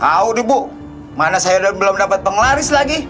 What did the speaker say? hau deh bu mana saya belum dapat penglaris lagi